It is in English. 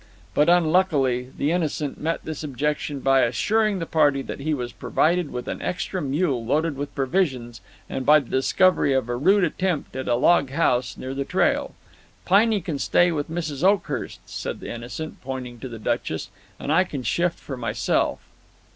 But, unluckily, the Innocent met this objection by assuring the party that he was provided with an extra mule loaded with provisions and by the discovery of a rude attempt at a log house near the trail. "Piney can stay with Mrs. Oakhurst," said the Innocent, pointing to the Duchess, "and I can shift for myself."